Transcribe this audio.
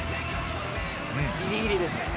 ギリギリですね。